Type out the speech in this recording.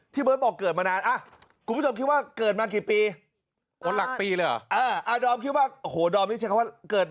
ที่เบิ้ลบอกเกิดมานานครูผู้ชมคิดว่าเกิดมากี่ปี